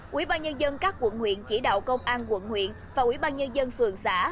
quỹ ban nhân dân các quận nguyện chỉ đạo công an quận nguyện và quỹ ban nhân dân phường xã